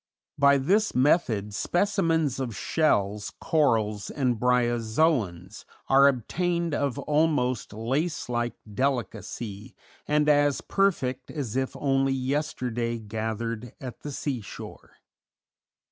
By this method specimens of shells, corals, and bryozoans are obtained of almost lace like delicacy, and as perfect as if only yesterday gathered at the sea shore.